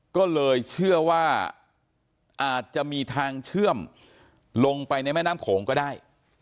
ก็เลยเชื่อว่าอาจจะมีทางเชื่อมลงไปในแม่น้ำโขงก็ได้